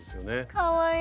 かわいい！